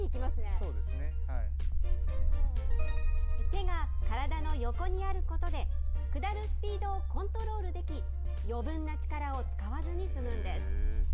手が体の横にあることで、下るスピードをコントロールでき、余分な力を使わずに済むんです。